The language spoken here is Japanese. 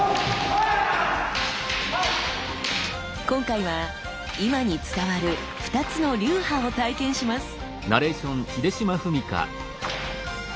今回は今に伝わる２つの流派を体験します。